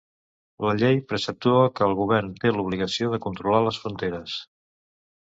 La llei preceptua que el Govern té l'obligació de controlar les fronteres.